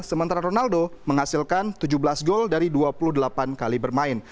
sementara ronaldo menghasilkan tujuh belas gol dari dua puluh delapan kali bermain